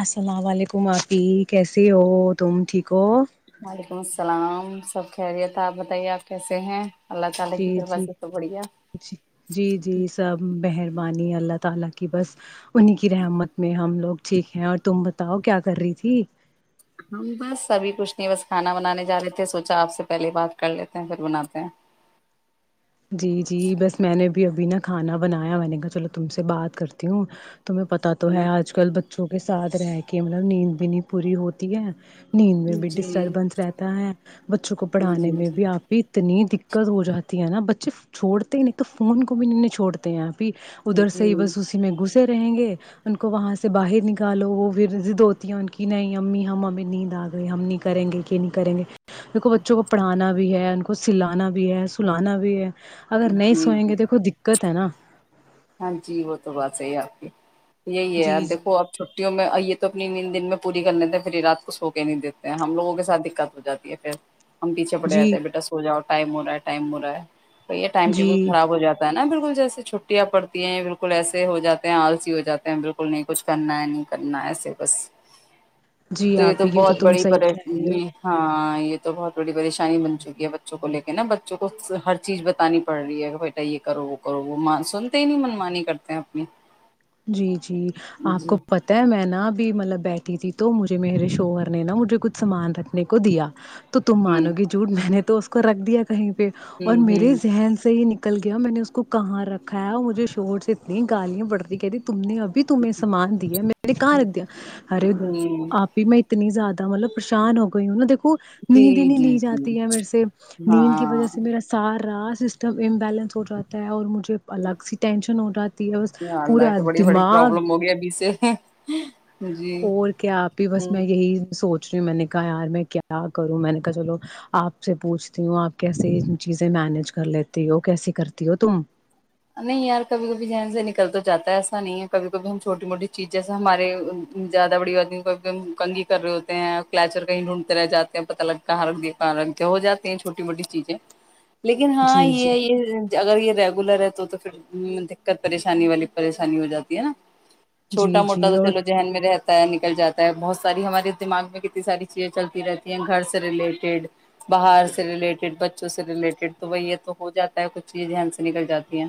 السلام وعلیکم آپی کیسے ہو تم ٹھیک ہو وعلیکم السلام سب خیریت آپ بتائیے آپ کیسے ہیں اللہ تعالی جی کی کرپا جی سے سب بڑھیا جی جی جی سب مہربانی اللہ تالا کی بس انہیں کی رحمت میں ہم لوگ ٹھیک ہے اور تم بتاؤ کیا کر رہی تھی ہم بس سبھی کچھ نہیں بس کھانا بنانے جا رہے تھے سوچا آپ سے پہلے بات کر لیتے ہیں پھر بناتے ہیں جی جی بس میں نے بھی ابھی نا کھانا بنایا میں نے کہا چلو تم سے بات کرتی ہوں تمہیں پتاہ تو جی ہے آج کل با چو کے ساتھ رہ کے مطلب نیند بھی نہیں پوری ہوتی ہے نیند میں بھی جی ڈسٹربنس رہتا ہے بچوں کو پڑھانے میں جی بھی آپی اتنی دقت ہو جاتی ہے نا جب چھوڑتے ہی نہیں تو فون کو بھی نہیں نہیں چھوڑتے یار ادھر سے جی ہی بس اسی میں گھس رہیں گے ان کو وہاں سے باہر نکالو وہ بھی ضد ہوتی ہیں ان کی نہیں امی ہم ایں نیند آ گئی ہم نہیں کریں گے کہ نہیں کریں گے دو بچوں کو پڑھانا بھی بھی ہے ان کو سلانا بھی ہے سلانا بھی ہے اگر نہیں جی سوئیں جی گے دیکھو دقت تینا ہاں جی وہ تو بات سہی ہے آپ کی یہی ہے جی آپ جی دیکھو اب چھٹیوں میں یہ تو اپنی ن دن میں پوری کر لیتے ہیں پھر یہ رات کو سو کے نہیں دیتے ہیں ہم لوگوں کے ساتھ دقت ہو جاتی ہے پھر ہم پیچےڑ جی رہتے ہیں بیٹا سوجا ٹائم ہورہا ہے ٹائم ہورہا ہے تو یہ ٹائم ٹیبل جی خراب ہو جاتا ہے نا بالکل جیسے چھ چھٹیاں پڑتی ہیں بالکل ایسے ہو جاتے ہیں آلسی ہو جاتے ہیں بالکل نہیں کچھ کرنا ہے نہیں کرنا ایسے بس جی تو یہ آپ تو بہت تم بڑی صحیح پرے کہہ رہی ہو ہاں یہ تو بہت بڑی پریشانی بن چکی ہے بچوں کو لے کے نا بچوں کو ہر چیز بتانی پڑ رہی ہے کہ بیٹا یہ کرو وہ کرو وہ سنتے ہی نہیں منمانی کرتے ہیں اپنی جی جی آپ جی کو پت ہے میں نا اب بھی مطلب بیٹھی تھی تو مجھے میرے شوہر نے نا مجھے کچھ سامان رکھنے کو دیا تو تم ہوں مانو گی جھٹ میں نے تو اس کو رکھ دیا کہیں پہ اور ہوں ہوں میرے ذہن سے ہی نک نکل گیا میں نے اس کو کہاں رکھا ہے اور مجھے شوہر سے اتنی گالیاں بڑ ج [unintelligible] تم نے ابھی تمہیں سامان د ہے م نے کہاں رکھ دیا ارے ہوں آپ ہی میں اتنی زیادہ مطلب پریشان ہو گئی ان د جی نیند ہی نہیں لی جی جی جاتی ہے میرے سے نیند کی وجہ ہاں سے میرا سار رات سسٹم امبیلنس ہو جاتا ہے اور مجھے الگ سی ٹینشن ہو جاتی ہے بس یا اللہ پورا تو بڑی بڑی دماغ پروابلم ہو گیا ابھی سے اور کیا آپ بھی بس ہوں میں یہی سوچ پوچھ رہی ہ میں نے کہا یار میں کیا کروں میں نے کہا چلو آپ سے پوچھتی ہوں آپ کیسی چیزیں مینج کر لیتی ہو کیسی کرتی ہو تم نہیں یار کبھی کبھی ذن سے نکل تو جاتا ہے ایسا نہیں ہے کبھی کبھی ہم چھوٹی موٹی چیز جیسے ہمارے زیادہ بڑی آدمی کبھی کب ہم کنگھی کر رہے ہوتے ہیں کچر کہیں ڈھونڈتے رہ جاتے ہیں پتا لگ کہاں رکھ دیا کہاں رکھ د ہو جاتے ہیں چھوٹی موٹی چیزیں لیکن ہاں جی یہ جی ہے یہ اگر یہ ریگولر ہے تو پھر دقت پریشانی والی پریشانی ہو جاتی ہے نا جی چھوٹا جی موٹا تو اور چلو ذہن میں رہتا ہے نکل جاتا ہے بہت ساری ہمارے دماغ میں کتنی ساری چیزیں چلتی رہتی ہیں گھر سے ریلیٹیڈ باہر سے ریلیٹیڈ بچوں سے ریلیٹیڈ تو وہ یہ تو ہو جاتا ہے کچھ چیزان سے نکل جاتا شکریہ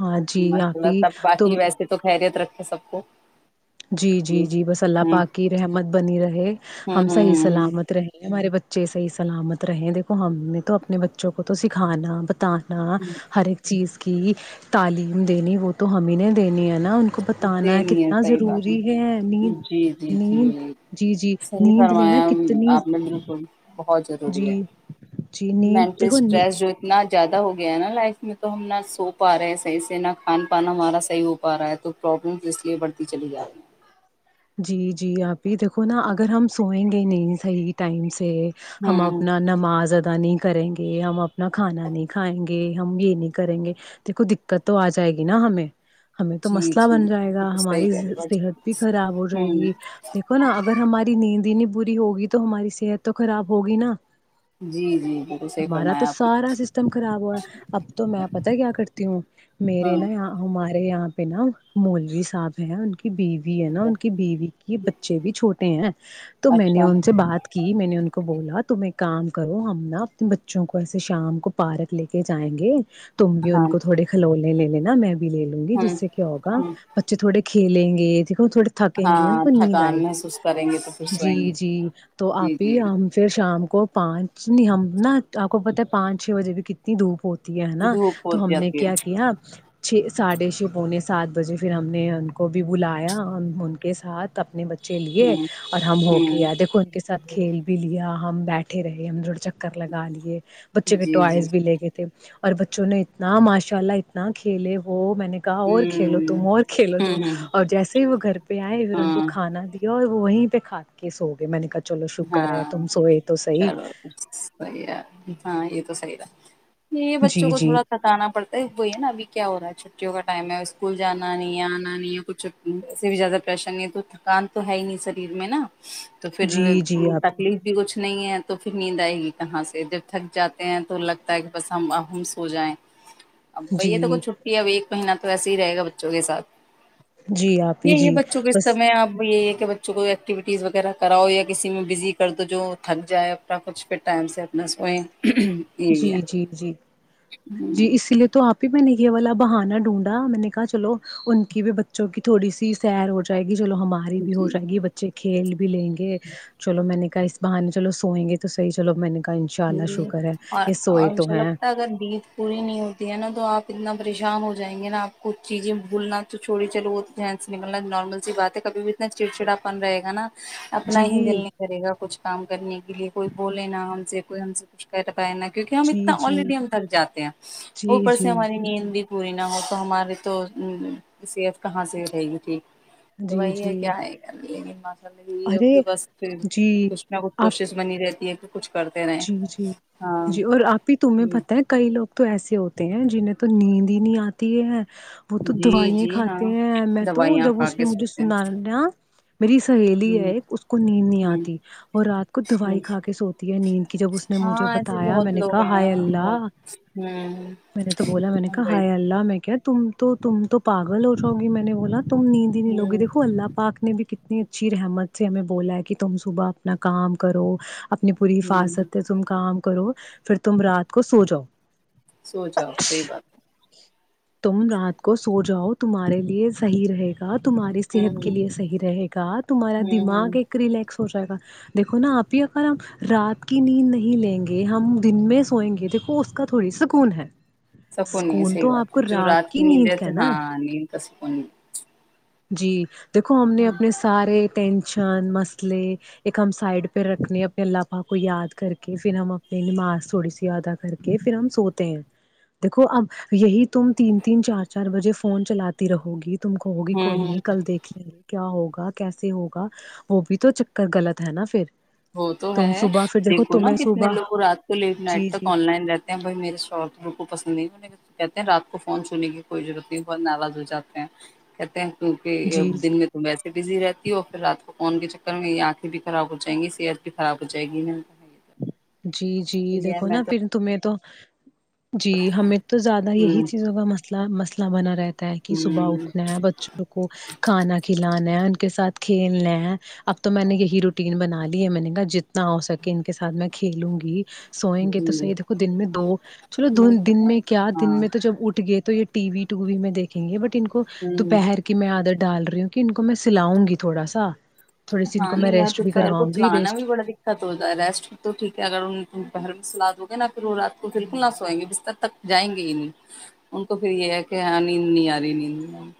ہاں جی [unintelligible] ماشاء آپ اللہ ہی تب تو باقی ویسے تو خیریت رکھ ہے سب کو جی جی جی بس اللہ ہوں پاکی رحمت بنی رہے ہوں ہم صحیح ہ سلامت رہے ہمارے بچے صحیح سلامت رہے دیکھو ہم نے تو اپنے بچوں کو تو سکھانا بتا ہ ہر ایک چیز کی تعلیم دینی وہ تو ہمیں نہیں دینی ہے نا کو ہ بتانا دے ہے نہیں کتنا صحیح ر بات ہے نیند جی جی نیند جی جی جی صحیح نیند لینا فرمایا کتنی آپ نے بالکل بہت ضروری جی ہے جی نیند مینٹل دیکھو نی اسٹریس جو اتنا زیادہ ہو گیا ہے نا لائف میں تو ہم نہ سو پا رہے ہیں صحیح سے نہ کھان پان ہمارا صحیح ہو پا رہا ہے تو پرابلمز اس لیے بڑھتی چلی جا رہی ہیں جی جی آپھی دیکھو نا اگر ہم سوئیں گے نہیں صحیح ٹائم سے پ ہم ہوں اپنا نماز ا نہیں کریں گے ہم اپنا کھانا نہیں کھائیں گے ہم یہ نہیں کریں گے دیک کو دقت تو آ جائے گی نا ہمیں ہمیں تو جی مسئلہ جی بن جائے گا بالکل صحیح ہماری کہہ رہے ہو صحت بھی خراب آپ۔ جائے ہوں گی دیکھو نا اگر ہماری نیند دین بری ہوگی تو ہماری صحت تو خراب ہوگی نا جی جی بالکل صحیح ہمارا تو فرمایا آپ نے سارا سسٹم خراب ہوا اب تو میں پتا کیا کرتی ہوں ہاں میرے نا یہاں ہمارے یہاں پہ نا مولوی صاحب ہیں ان کے بیوی ہے نا ان بیوی کی بچے بھی چھوٹے ہیں تو میں نے اچھا ان سے بات کی میں نے ان کو بولا تم ایک کام کرو ہم نا اپنے بچوں کو ایسے شام کو پارک لے کے جائیں گے تم بھی ان ہاں کو تھوڑے کھلونے لینے نہ میں بھی لے لوں گی جس ہوں سے کیا ہوگا ہوں بچے تھوڑے کھیلیں گے دیکھو تھوڑا تھکیں گے ان ہاں کو نیند آئے تھکان گی محسوس کریں گے تو پھر سوئیں گے جی جی تو جی آپ جی ہی ہم پھر شام کو پانچ نہیں ہم نا آپ کو پتا ہے پانچ چھ بجے بھی کتنی دھوپ ہوتی ہے نا دھوپ تو ہوتی ہم نے جاتی ہے کیا کیا چھ ساڑھے چھ پونے سات بجے پھر ہم نے ان کو بھی بلایا ان کے ساتھ اپنے بچے چلیے ہوں اور ہم ہو ہوں کیا دیکھو ان کے ساتھ کھیل بھی لیا ہم بیٹھے رہے ہم جڑ چکر لگا دیے بچے کے جی جی ٹوائز بھی لے گئے تھے اور بچوں نے اتنا ماشاء اللہ اتنا کھیلے وہ میں نے کہا اور کھیلو ہوں تم اور کھیلو د ہوں ہوں اور جیسے ہی وہ گھر پہ پہ آئے پھر ان کو ہاں کھانا د اور وہیں پہ کھ کے سو گئے میں نے کہ ہاں چلو سحی ہے ہاں یہ تو صحی ہےا یہ بچوں جی کو جی تھوڑا ستانا پڑتا ہے وہی ہے نا ابھی کیا ہو رہا ہے چھٹیوں کا ٹائم ہے اسکول جانا نہیں آنا نہیں یا کچھ سے بھی زیادہ پریشن نہیں ہے تو تھکان تو ہے ہی نہیں شریر میں نا تو پھر جی جی آپ ہی تکلیف بھی کچھ نہیں ہے تو پھر نیند آئے گی کہاں سے جب تھک جاتے ہیں تو لگتا ہے کہ بس ہم سو جائ اب بھ یہ تو جی کچ چھٹی ہے اب ایک مہینہ تو ایسے ہی رہے گا بچوں کے سھ جی آپ ہی یہی ہے جی بچوں کے بس استمے اب یہ بچوں کوئی ایکٹیوٹیز وغیرہ کراؤ یا کسی میں بزی کر دو جو تھک جائے اپنا کچھ پھر ٹائم سے اپنا سوئیں یہی جی ہے جی جی جی اسی لیے تو آپ میں نے کیا بلا بہانا ڈھونڈا میں نے کہا چلو ان کی بھی بچوں کی تھوڑی سی سیر ہو جائے گی ی چلو ہماری بھی ہو جی جائے گی بچے کھیل لیں گے چلو میں نے کا اس بہانے چلو سوئ گے تو صحی چلو میں نے کا ان شاء اللہ جی شکر ہے اور یہ سوئے ان تو شاء اللہ ہیں پت اگر جید پوری نہیں ہوتی ہے نا تو آپ اتنا پریشان ہو جائیں گے نا آپ کو چیزیں بھولنا تو چھوڑی چلو وہ ن سے نکلنا نارمل سی بات ہے کبھی بھی اتنا چڑچڑاپن رہے گا نا اپنا جی ہی دل نہیں کرے گا کچھ کام کرنے کے لیے کوئی بولے نا ہم سے کوئی ہم سے کچھ نا کیونکہ ہم جی اتنا جی آلریڈی ہم تک جاتے ہیں جی اوپر سے جی ہماری نیندی پوری نہ ہو تو ہماری تویف کہاں سے رہے گی ٹھیک تو جی وہی ہے جی کیا آئے گا لناشا میں یہی ارے کہ بس پھر جی کچھ نہ کچھ آپ کوشش بنی رہتی ہے کہ کچھ کر جی جی جی اور آپ بھی تمہیں جی پت ہے کئی لوگ تو ایسے ہوتے ہیں جنہیں تو نیند ہی نہیں آتی ہے وہ تو جی دوائیا جی ہاں کھاتے ہیں میں تو دوائیاں جب کھا اس نے کے مجھے سوتے ہیں سنایا میری سہیلی ہوں ہے اس کو نیند نہیں ہوں آتی اور رات کو ہوں دوائی کھا کے سوتی ہے نیند اس نے مجھے ہاں ایسے بتایا میں بہت نے لوگ کہا ہیں ہائے یہاں بہت اللہ ہوں میں نے تو بولا میں نے کہا وہی ہائے اللہ میں کیا تم تو تم تو پاگل ہو جاؤ گی میں نے بولا تو نیند ہی نہیں لگ ہوں دیکو اللہ پاک نے بھی کتنی اچھی رحمت سے ہمیں بولا ہے کہ تم صبح اپنا کام کرو اپنی پوری ہوں حفاظت کام کرو پھر تم رات کو سو جاؤ سو جاؤ صحیح بات تم رات کو سو جاؤ تمہارے لیے صحیح رہے تمہاری ہے ہوں صحت کے ہوں لیے صحیح رہے گا تمہارا ہوں ہوں دماغ ایک ریلیکس ہو جائے گا دیکو نا آپ ہی اگر ہم رات کو کہ نیند نہیں لیں گے ہم دن میں سوئیں گے دیکھو اس کا تھوڑی سکون ہے سک نہیں ہے سکون سی تو بات آپ ہے کو جو رات کی نیند ہے کا تو نا ہاں ند کسپنی جی دیکھو ہمنے اپنے سارے ٹینشن مسئلے ایک ہم سائڈ پہ رکھنے اپنے اللہ پاک کو یاد کر کے پھر ہم اپنی نماز تھوڑی سی ایادا کر کے پھر ہم سوتے ہیں دیکھو اب یہی تم تین تین چار چار بجے فون چلاتی رہو گی تم کو ہوں کوئی ہوں نہیں کل دیکھ لیں گے کیا ہوگیا ہوگا کیسے ہوگا وہ بھی تو چکر غلط ہے نا پھر وہ تو تم ہے صبح پھر دیکھو نا تمہیں کتنے صبح لوگ رات کو لیٹ نائٹ جی تک جی آن لائن رہتے ہیں بھائی میرے شوھر بلکل پسند نہیں کہتے ہیں رات کو فون چونے کی کوئی ضرورت نہیں بھت ناراض ہو جاتے ہیں کہتے ہیں کیونکہ جی دن میں تم ویسے بزی رہتی ہو پھر رات کو فون کے چکر میں یہ آنکھیں بھی خراب ہو جائیں گی صحت بھی خراب ہو جائے گی جی جی کہا، یہ دیکھو میں نا تو پھر تمھیں تو جی ہمیں تو زیادہ یہی ہ چیزوں کا مسلہ مسلہ بنا رہ تا کہ صبح ہ اٹھنا ہے بچوں کو کھانا کھلانا ان کے ساتھ کھیلنا ہیں اب تو میں نے یہی روٹین بنا لی ہے میں نے کہا جتنا ہو سکے ان کے ساتھ میں کھیلوں گی سوئیں گے تو جی صحیح دیکھو دن میں دو چلو نہیں دن پتا میں کیا دن ہاں میں تو جب اٹھ گئے تو یہ ٹی وی ٹووی میں دیکھ کھینگے بٹ ان کو ہ دوپہر کی میں عادت ڈال رہی ہوں ان کو میں سلاؤں گی تھوڑا سا تھوڑی سی ان ہاں کو میں نہیں یار ریسٹ تو بھی سیر کو کرواؤں گی چلانا بھی ریسٹ بڑا دقت ہوجاتا ہے ریسٹ تو ٹھیک کہ اگر ان ت پہر میں سلاد گے نا پھر وہ رات کو بالکل نہ سوئیں گے بستر تک جائیں گے ہی نیند ان کو پھر یہ ہے کہ ہاں نیند نہیں آ رہی نیند نہیں آرہی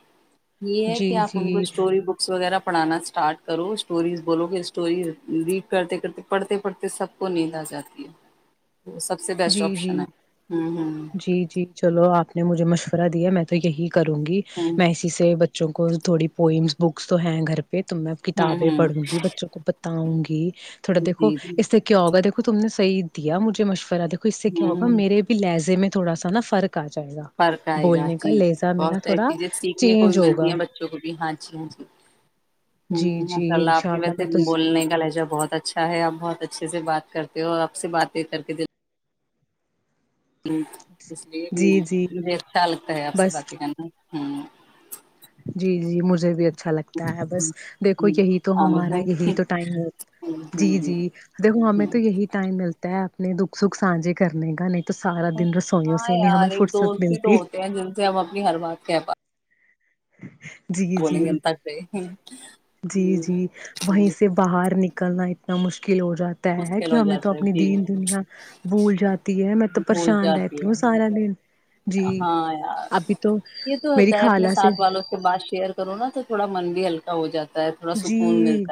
یہ ہے جی کہ آپ ان کو جی اسٹوری بکس وغیرہ پڑھانا اسٹارٹ کرو اسٹوریز بولو کہ اسٹوریز ریڈ کرتے کرتے پڑھتے پڑھتے سب کو نیند آ جاتی ہے وہ سب سے بیسٹ جی جی آپشن ہے ہوں جی جی چلو آپ نے مجھے مشور را دیا میں تو یہی کروں گی ہوں میں اسی سے بچ بچوں کو تھوڑی پوئمس بکس تو ہیں گھر تم میں ہوں کتابیں ہوں پڑھوں ہوں گی بچوں کو بتاؤں گی تھوڑا دیکو جی جی اس سے کیا ہوگا دیکھو تم نے صحیح دیا مجھے مشورہ دیکھو اس سے کیا ہوگا ہوں میرے بھی لہزے میں تھوڈا سا نا فرق آ جائے گا فرق آئے گا بولنے کا جی جی لہجہ بہت میرا ساری تھوڑا چیزیں سیکھنے کو چینج بھی ملتی ہوگا ہیں بچوں کو بھی ہاں جی ہاں جی جی ہمم جی ماشا اللہ آپ انشاء کی ویسے میں تو بولنے کا لہجہ بہت اچھا ہے آپ بہت اچھے سے بات بات کرتے ہو اور آپ سے باتیں کر کے دل ہ اس لیے جی جی مجھے اچھا لگتا ہے آپ سے بس باتیں کرنا ہوں جی جی مجھے بھی اچھا اچھا لگتا ہے بس دیکھو یہی تو ہاں ہمارا یہی تو ٹائم ہو جی جی دیکھو ہمیں ہوں۔ تو یہی ٹائم ملتا اپنے دکھ سکھ سانھے کرنے کا تو سارا دن رسوئیوں ہاں سے نہیں ہمیں یار ایک فرصت دوست ہی تو ملتی ہوتے ہیں جن سے ہم اپنی ہر بات کہہ پات اچھا جی جی تک رہے ہوں، جی جی وہیں سے باہر نکل نلنا اتنا مشکل مشکل ہو جاتا ہے مشکل کہ ہو ہمیں تو جاتا ہے اپنی جی دین دنیا بھول جاتی ہے میں تو بھول پریشان جاتی رہتی ہوں ہے سارا دن جی ہاں ابھی تو میری خالہ سے ات والوں سے بات شیئر کروں نا تو تھوڑا من بھی ہلکا ہو جا جی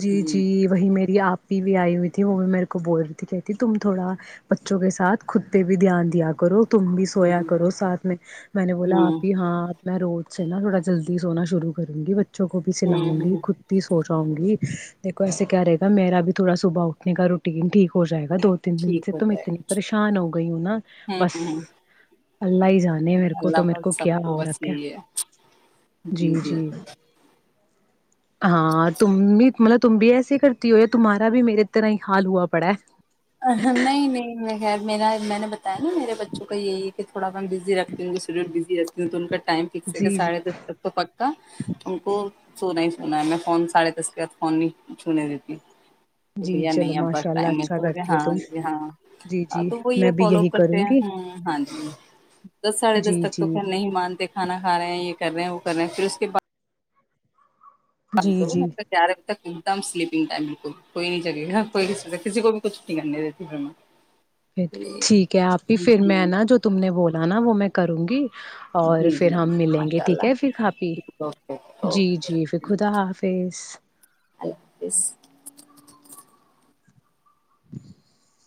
جی جی وہی میری آپ بھی آئی ہوئی تھی وہ بھی میرے کو بول رہی تھی کہتی تم تھوڑا بچوں کے ساتھ خود پہ بھی دھیان دیا کرو تم بھی سویا ہوں کرو ساتھ میں میں نے بولا ہوں آپ ہی ہاں میں رو چا تھوڑا جلدی سو شرو کروں گی بچوں کو ہوں چلاؤں گی ہوں، خود بھی سوچ وں گی دیکو ایسے کیا رہے گا میرا بھی تھوڑا صبح اٹھنے کا روٹین ٹھیک ہو جائے گا دو تین دن ٹھیک سے ہو تم جائے اتنی گا پریشان ہو گئی ہو نا ہوں بس ہوں ہوں اللہ ہی جانے میرے کو تو اللہ مے کو بس کیا سب اور بس رق ہے یہی جی جی ہاں تم بھی مطلب تم بھی ایسے کرتی ہو یا تمہارا بھی میرے ا طرح ہی حال ہوا پڑا ہے نہیں نہیں خیر میرا میں نے بتایا نا میرے بچوں کا یہی ہے کہ تھوڑا بزی رکھتی ہوں شیڈیول بزی رہتی ہیں تو ان کا ٹائم فکس ہے کہ جی جی ساڑے دس تک تو پکا ان کو سونا ہی س میں فون ساڑے دس کے بعد فون نہیں چونے دیتی کہ جی بھیا چلو نہیں اب ماشاء بس اللہ ٹائم ہے اچھا کرتی ہو ہاں تم جی ہاں جی جی تو وہ میں یہ بھی فالو یہی کرتے کروں ہیں گی ہاں ہاں جی دس ساڑھے دس جی تک تو جی پھر نہیں مانتے کھانا کھ رہے ہیں یہ کر رہے ہیں وہ کر رہے ہیں پھر اس کے بعد پند جی م جی گیارہجے تک م سلیپنگ ائم بالکل کوئی نہیں جی ہاں کوئی ک س کسی کوئی کچھٹی کرنی دیتی پھر میں پھر ہوں ٹھیک ہے آپ ہی پھر میں ہوں نا جو تم نے بولا نا وہ میں کروں گی اور جی پھر جی ہم ملیں گے ماشاء ٹھیک ہے پھر کپھی اللہ اوکے اوکے جی اللہ جی پھر خدا حافظ اللہ حافظ [inaudible]